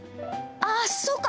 ああそうか！